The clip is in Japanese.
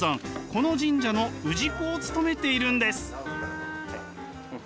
この神社の氏子を務めているんです。